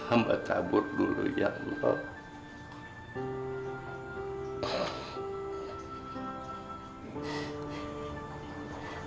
amba tabur dulu ya allah